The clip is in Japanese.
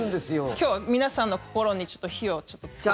今日は皆さんの心にちょっと火を追加して。